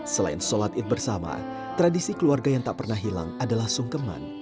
selain sholat id bersama tradisi keluarga yang tak pernah hilang adalah sungkeman